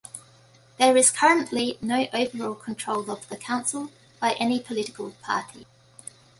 There is currently no overall control of the council by any political party.